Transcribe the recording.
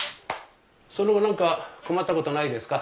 その後何か困ったことはないですか？